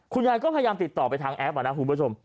คุณยายก็พยายามติดต่อไปทางแอปนะคุณผู้ชม